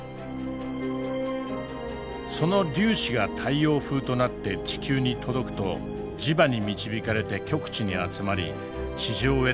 その粒子が太陽風となって地球に届くと磁場に導かれて極地に集まり地上へと降り注ぐ。